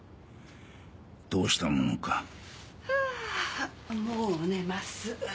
どうしたものかあぁもう寝ます。